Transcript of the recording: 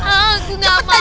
aku nggak mau